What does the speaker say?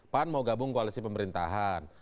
pan mau gabung koalisi pemerintahan